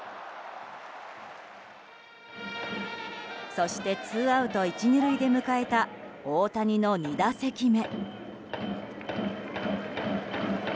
そしてツーアウト１、２塁で迎えた大谷の２打席目。